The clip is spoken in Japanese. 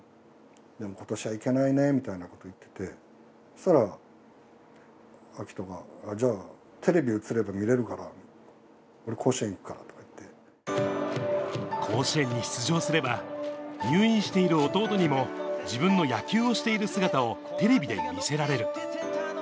でもことしは行けないねみたいなことを言ってて、そしたら、瑛斗がじゃあ、テレビ映れば見れるから、俺、甲子園に出場すれば、入院している弟にも、自分の野球をしている姿をテレビで見せられる。